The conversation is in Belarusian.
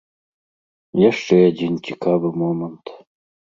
Яшчэ адзін цікавы момант.